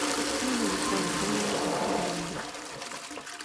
海の向こうにぼんやりと灯りが見える。